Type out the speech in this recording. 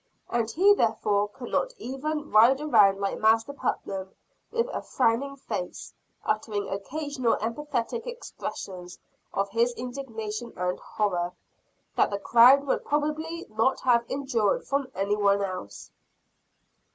And he, therefore, could not even ride around like Master Putnam, with a frowning face, uttering occasional emphatic expressions of his indignation and horror, that the crowd would probably not have endured from any one else.